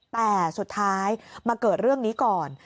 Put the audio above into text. แต่สุดท้ายมาเกิดเรื่องนี้ก่อน